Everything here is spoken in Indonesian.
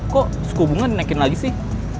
kok suku bunga dinaikin lagi sih